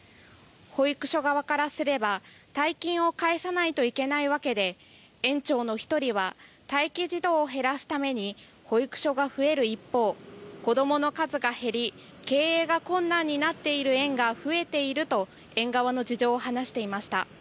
保育所側からすれば大金を返さないといけないわけで園長の１人は待機児童を減らすために保育所が増える一方、子どもの数が減り経営が困難になっている園が増えていると園側の事情を話していました。